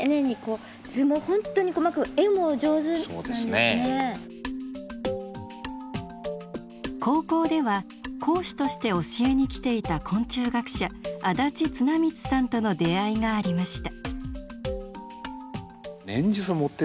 あの中高校では講師として教えに来ていた昆虫学者安立綱光さんとの出会いがありました。